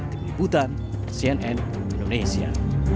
tim liputan cnn indonesia